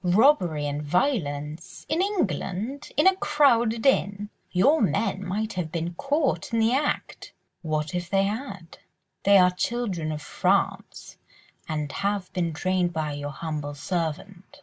"Robbery and violence!—in England!—in a crowded inn! Your men might have been caught in the act!" "What if they had? They are children of France, and have been trained by your humble servant.